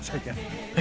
え！